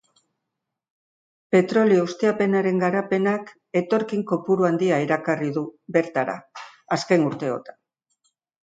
Petrolio-ustiapenaren garapenak etorkin kopuru handia erakarri du bertara azken urteotan.